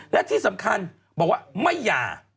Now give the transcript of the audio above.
และที่สำคัญบอกว่าไม่หย่า